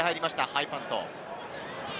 ハイパント。